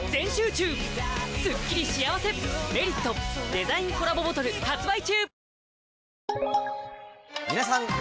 デザインコラボボトル発売中！